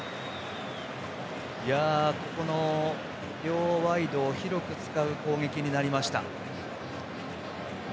両ワイドを広く使う攻撃になりました。